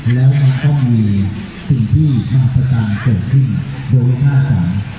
แล้วมันต้องมีสิ่งที่ที่มาตรศาลเกิดขึ้นโดยเงินระวังด้าน